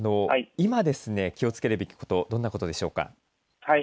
今、気をつけるべきことはどんなことでしょうか。